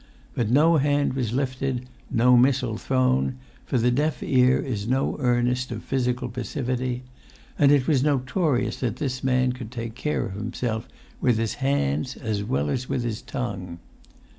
But no hand was lifted, no missile thrown, for the deaf ear is no earnest of physical passivity, and it was notorious that this man could take care of himself with his hands as well as with his tongue.